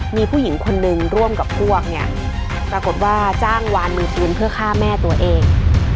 มีผู้หญิงคนนึงร่วมกับพวกเนี่ยปรากฏว่าจ้างวานมือปืนเพื่อฆ่าแม่ตัวเอง